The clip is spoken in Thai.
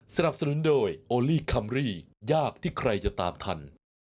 สนับสนุนโดยโอลี่คัมรี่ยากที่ใครจะตามทัน